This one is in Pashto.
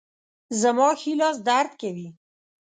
زما ښي لاس درد کوي